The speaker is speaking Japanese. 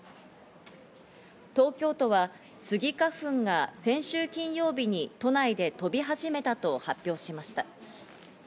東京都はスギ花粉が先週金曜日に都内で飛び始めたと発表しました。